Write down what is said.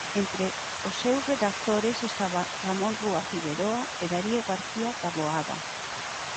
Entre os seus redactores estaban Ramón Rúa Figueroa e Darío García Taboada.